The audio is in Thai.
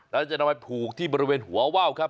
เราจะนำมาผูกที่บรรเวณหัวว่าวครับ